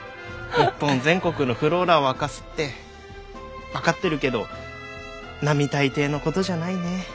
日本全国のｆｌｏｒａを明かすって分かってるけど並大抵のことじゃないね。